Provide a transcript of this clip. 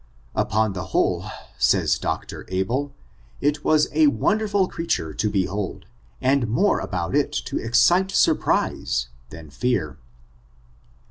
Upon the whole, says Dr. Abel, it was a wonderful creature to behold, and more about it to ex cite surprise than fear."